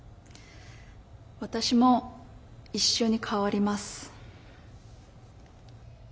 私も一緒に変わります。